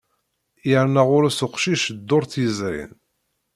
Yerna ɣur-s uqcic ddurt yezrin.